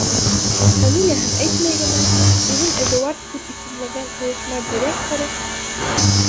Фамилияһын әйтмәй генә үҙен Эдуард тип исемләгән ойошма директоры: